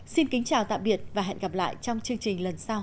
xin kính chào tạm biệt và hẹn gặp lại trong chương trình lần sau